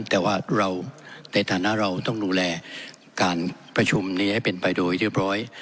แต่ว่าเราในฐานะเราต้องดูแลการประชุมนี้ให้เป็นไปโดยเรียบร้อย